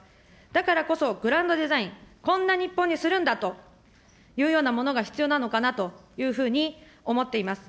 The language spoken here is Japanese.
だからこそ、グランドデザイン、こんな日本にするんだというようなものが必要なのかなというふうに思っています。